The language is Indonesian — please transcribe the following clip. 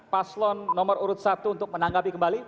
paslon nomor urut satu untuk menanggapi kembali